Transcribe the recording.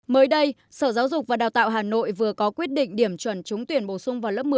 mới đây sở giáo dục và đào tạo hà nội vừa có quyết định điểm chuẩn trúng tuyển bổ sung vào lớp một mươi